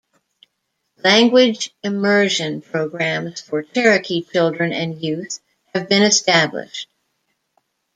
Language immersion programs for Cherokee children and youth have been established.